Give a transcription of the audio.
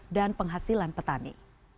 dan penghasilan petani